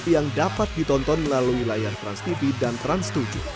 yang dapat ditonton melalui layar transtv dan trans tujuh